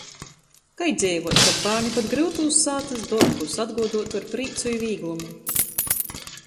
Kai dzeivuot, kab bārni pat gryutūs sātys dorbus atguoduotu ar prīcu i vīglumu.